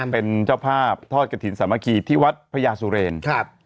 เป็นเจ้าผ้าทอดกระถิ่นสามะขีดที่วัดพระยาสุเรนค์